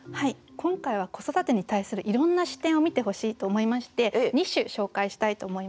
今回は「子育て」に対するいろんな視点を見てほしいと思いまして２首紹介したいと思います。